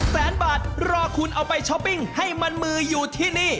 แสนบาทรอคุณเอาไปช้อปปิ้งให้มันมืออยู่ที่นี่